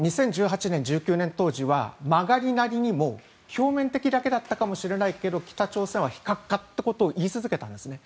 ２０１８年、２０１９年当時は曲がりなりにも表面的だけだったかもしれないけれど北朝鮮は非核化ということを言い続けたんですね。